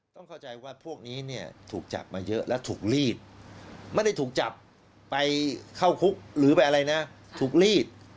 ต้องเข้าใจว่าพวกนี้เนี่ยถูกจับมาเยอะแล้วถูกรีดไม่ได้ถูกจับไปเข้าคุกหรือไปอะไรนะถูกรีด